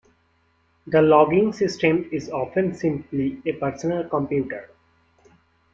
The logging system is often simply a personal computer.